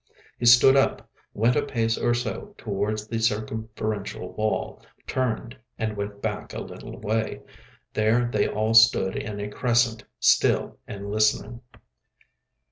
He stood up, went a pace or so towards the circumferential wall, turned, and went back a little way. There they all stood in a crescent, still and listening.